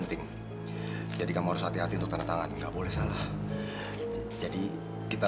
penting jadi kamu harus hati hati untuk tanda tangan nggak boleh salah jadi kita